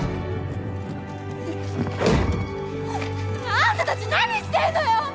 あ！あんた達何してんのよ！